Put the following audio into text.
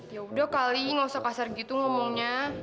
yaudah kali nggak usah kasar gitu ngomongnya